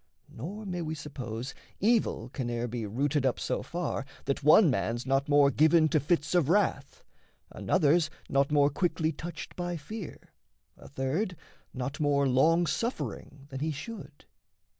Nor may we suppose Evil can e'er be rooted up so far That one man's not more given to fits of wrath, Another's not more quickly touched by fear, A third not more long suffering than he should.